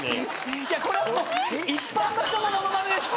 これはもう一般の人のモノマネでしょ